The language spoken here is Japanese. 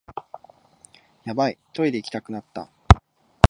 ヤバい、トイレ行きたくなった